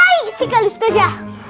tambah sisikal ustadzah